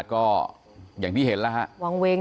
ฐานพระพุทธรูปทองคำ